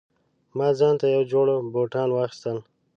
ما ځانته یو جوړ بوټان واخیستل